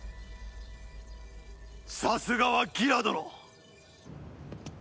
さすがはギラ殿！